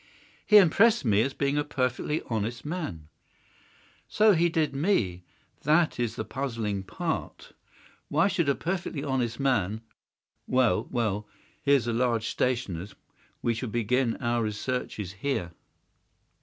"He impressed me as being a perfectly honest man." "So he did me. That's the puzzling part. Why should a perfectly honest man—well, well, here's a large stationer's. We shall begin our researches here."